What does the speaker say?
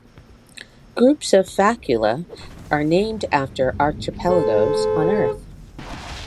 Groups of faculae are named after archipelagos on Earth.